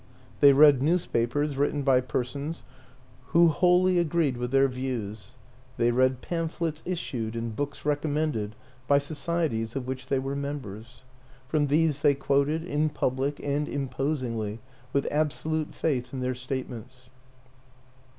They read newspapers written by persons who 28 WILLIAM AN ENGLISHMAN wholly agreed with their views; they read pamphlets issued, and books recommended, by so cieties of which they were members. From these they quoted, in public and imposingly, with ab solute faith in their statements.